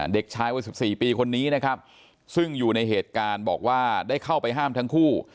เด็กชายวัย๑๔ปีคนนี้นะครับซึ่งอยู่ในเหตุการณ์บอกว่าได้เข้าไปห้ามทั้งคู่